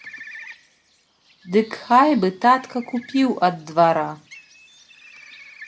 Дык хай бы татка купіў ад двара.